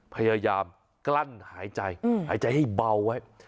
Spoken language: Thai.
พยายามกลั้นหายใจหายใจให้เบาไว้